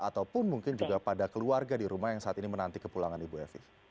ataupun mungkin juga pada keluarga di rumah yang saat ini menanti kepulangan ibu evi